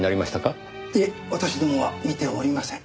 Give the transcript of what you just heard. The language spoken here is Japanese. いえ私どもは見ておりません。